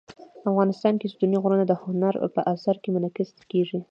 افغانستان کې ستوني غرونه د هنر په اثار کې منعکس کېږي.